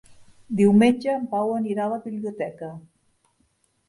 Diumenge en Pau anirà a la biblioteca.